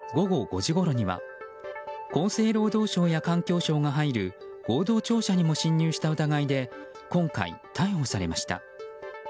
その翌日の午後５時ごろには厚生労働省や環境省が入る合同庁舎にも侵入した疑いで今回、逮捕されました。